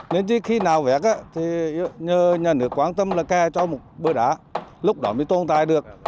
nên khi nào vét nhà nước quan tâm là kè cho một bơi đá lúc đó mới tồn tại được